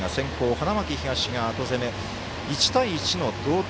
花巻東が後攻め、１対１の同点。